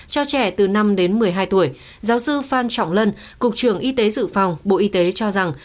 cho trẻ từ năm đến một mươi hai tuổi giáo sư phan trọng lân cục trưởng y tế dự phòng bộ y tế cho rằng